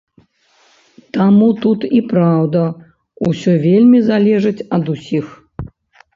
Таму тут і праўда ўсё вельмі залежыць ад усіх.